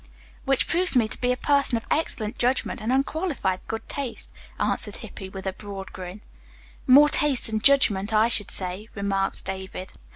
"Which proves me to be a person of excellent judgment and unqualified good taste," answered Hippy with a broad grin. "More taste than judgment, I should say," remarked David.